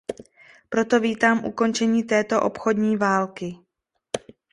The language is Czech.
Proto vítám ukončení této obchodní války.